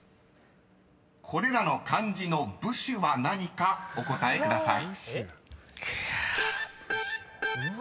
［これらの漢字の部首は何かお答えください］